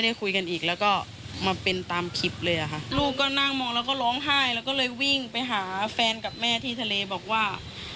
ลูกก็นั่งมองแล้วก็ร้องไห้แล้วก็เลยวิ่งไปหาแฟนกับแม่ที่ทะเลบอกว่า